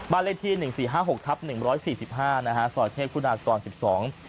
บ้านเลขที่๑๔๕๖ครับ๑๔๕นะฮะสวรรค์เทพฯคุณากรสิบสอง